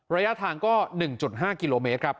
ระยะทางก็๑๕กิโลเมตรครับ